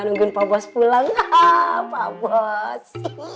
ki ki juga serius